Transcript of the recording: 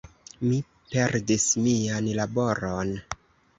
Mi perdis mian laboron.